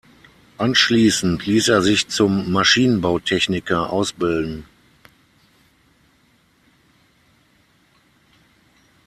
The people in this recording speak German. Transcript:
Anschließend ließ er sich zum Maschinenbautechniker ausbilden.